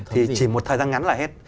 thì chỉ một thời gian ngắn là hết